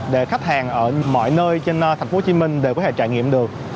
để khách hàng ở mọi nơi trên thành phố hồ chí minh đều có thể trải nghiệm được